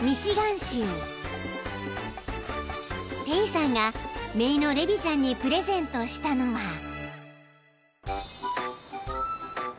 ［テイさんがめいのレビちゃんにプレゼントしたのは］